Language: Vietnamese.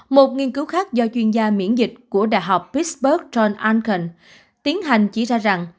một nghiên cứu khác do chuyên gia miễn dịch của đại học pittsburgh john arnken tiến hành chỉ ra rằng